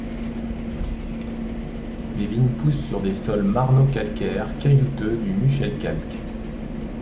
Les vignes poussent sur des sols marno-calcaires caillouteux du Muschelkalk.